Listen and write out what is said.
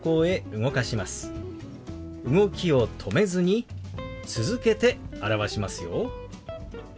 動きを止めずに続けて表しますよ。